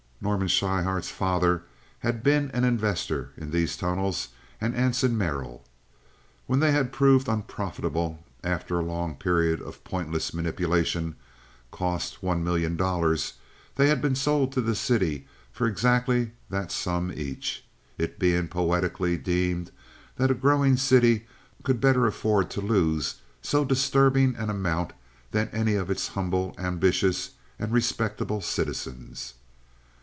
Norman Schryhart's father had been an investor in these tunnels, and Anson Merrill. When they had proved unprofitable, after a long period of pointless manipulation—cost, one million dollars—they had been sold to the city for exactly that sum each, it being poetically deemed that a growing city could better afford to lose so disturbing an amount than any of its humble, ambitious, and respectable citizens.